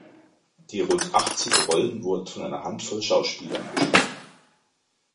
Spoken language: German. Die rund achtzig Rollen wurden von einer Handvoll Schauspielern gesprochen.